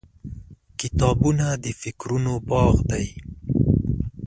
• کتابونه د فکرونو باغ دی.